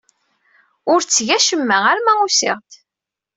Ur tteg acemma arma usiɣ-d.